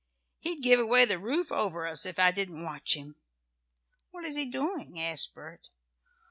"He'd give away the roof over us if I didn't watch him." "What is he doing?" asked Bert.